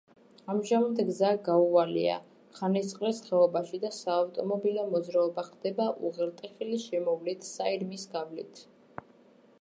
ამჟამად გზა გაუვალია ხანისწყლის ხეობაში და საავტომობილო მოძრაობა ხდება უღელტეხილის შემოვლით საირმის გავლით.